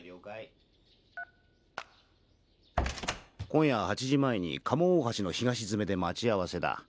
☎今夜８時前に賀茂大橋の東詰で待ち合わせだ。